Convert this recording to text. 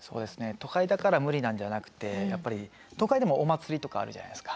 都会だから無理なんじゃなくてやっぱり都会でもお祭りとかあるじゃないですか。